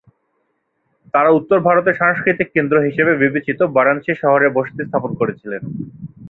তাঁরা উত্তর ভারতের সাংস্কৃতিক কেন্দ্র হিসাবে বিবেচিত বারাণসী শহরে বসতি স্থাপন করেছিলেন।